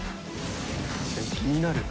気になるな。